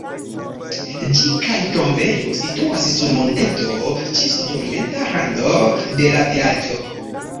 Ĝi kaj tombejo situas sur monteto ĉe sudorienta rando de la vilaĝo.